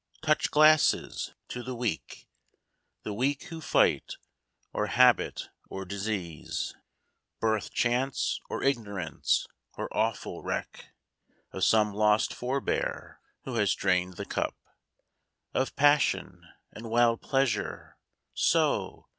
Touch glasses! To the Weak! The Weak who fight : or habit or disease, Birth, chance, or ignorance — or awful wreak Of some lost forbear, who has drained the cup Of pagsion and wild pleasure ! So